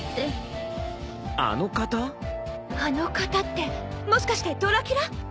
あの方ってもしかしてドラキュラ！？